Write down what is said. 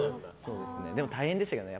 でも大変でしたけどね。